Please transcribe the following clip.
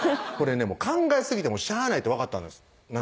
これ考えすぎてもしゃあないって分かったんです